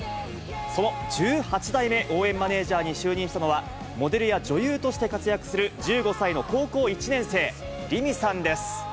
その１８代目応援マネージャーに就任したのは、モデルや女優として活躍する１５歳の高校１年生、凜美さんです。